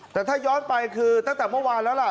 แต่ถ้าย้อนไปคือตั้งแต่เมื่อวานแล้วล่ะ